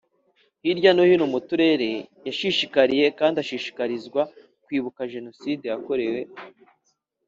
hirya no hino mu Turere yashishikariye kandi ashishikarizwa kwibuka Jenoside yakorewe